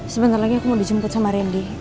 sebentar lagi aku mau dijemput sama randy